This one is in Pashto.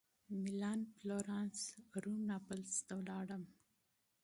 مېلان فلورانس روم ناپلز ته ولاړم.